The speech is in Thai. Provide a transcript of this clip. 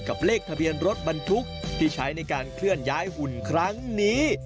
เลขทะเบียนรถบรรทุกที่ใช้ในการเคลื่อนย้ายหุ่นครั้งนี้